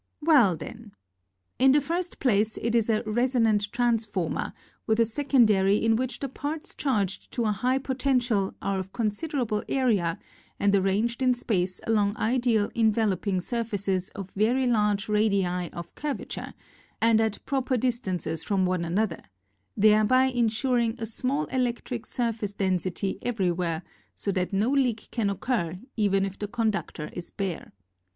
Well, then, in the first place, it is a resonant transfor mer with a secondary in which the parts, charged to a high potential, are of con siderable area and arranged in space along ideal enveloping surfaces of very large radii of curvature, and at proper distances from one another thereby insuring a small elec tric surface density everywhere so that no leak can occur even if the conductor is bare.